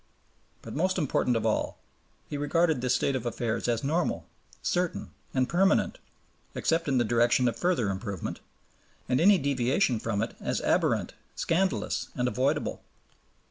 But, most important of all, he regarded this state of affairs as normal, certain, and permanent, except in the direction of further improvement, and any deviation from it as aberrant, scandalous, and avoidable.